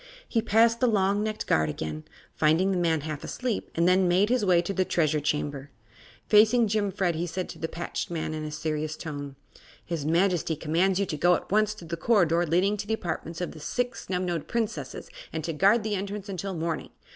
He passed the long necked guard again, finding the man half asleep, and then made his way to the Treasure Chamber. Facing Jimfred he said to the patched man, in a serious tone: "His Majesty commands you to go at once to the corridor leading to the apartments of the Six Snubnosed Princesses and to guard the entrance until morning.